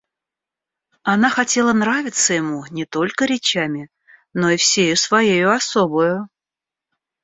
Она хотела нравиться ему не только речами, но и всею своею особою.